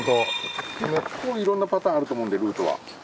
結構いろんなパターンあると思うんでルートは。